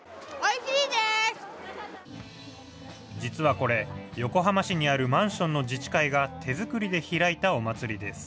実はこれ、横浜市にあるマンションの自治会が手作りで開いたお祭りです。